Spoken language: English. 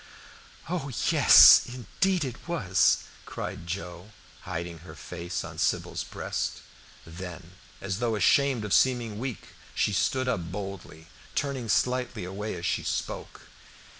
"Oh, yes indeed it was!" cried Joe, hiding her face on Sybil's breast. Then, as though ashamed of seeming weak, she stood up boldly, turning slightly away as she spoke.